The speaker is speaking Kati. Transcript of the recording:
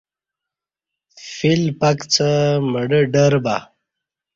فیل پکچہ مڑہ ڈر بہ